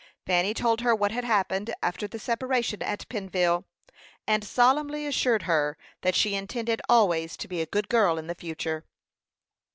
Fanny told her what had happened after the separation at Pennville, and solemnly assured her that she intended always to be a good girl in the future.